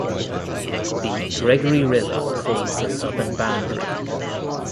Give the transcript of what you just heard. The "Gregory River" forms the southern boundary.